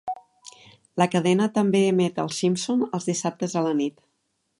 La cadena també emet 'Els Simpson' els dissabtes a la nit.